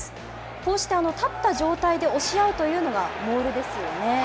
こうした立った状態で押し合うというのがモールですよね。